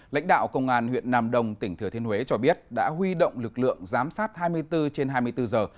lãnh đạo công an huyện nam đông tỉnh thừa thiên huế cho biết đã huy động lực lượng giám sát hai mươi bốn trên hai mươi bốn giờ